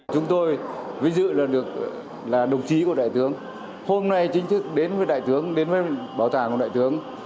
chúng tôi vinh dự là được là đồng chí của đại tướng hôm nay chính thức đến với đại tướng đến với bảo tàng của đại tướng